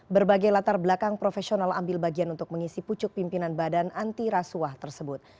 berbagai latar belakang profesional ambil bagian untuk mengisi pucuk pimpinan badan anti rasuah tersebut